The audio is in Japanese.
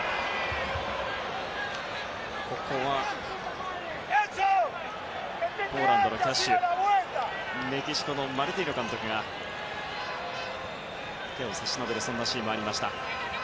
ここはポーランドのキャッシュメキシコのマルティーノ監督が手を差し伸べるシーンがありました。